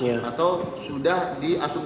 atau sudah diasurkan